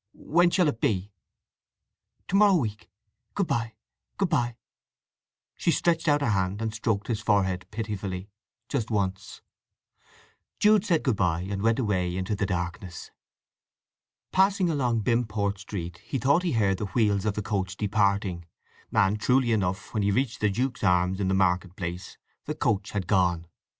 "When shall it be?" "To morrow week. Good bye—good bye!" She stretched out her hand and stroked his forehead pitifully—just once. Jude said good bye, and went away into the darkness. Passing along Bimport Street he thought he heard the wheels of the coach departing, and, truly enough, when he reached the Duke's Arms in the Market Place the coach had gone.